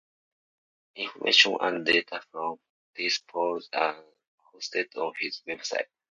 Information and data from these polls are hosted on his website.